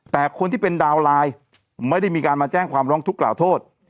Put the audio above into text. แต่คนที่เป็นดาวน์ไลน์ไม่ได้มีการมาแจ้งความร้องทุกข์กล่าวโทษ